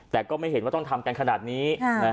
แต่ก็ไม่เห็นว่าต้องทำกันขนาดนี้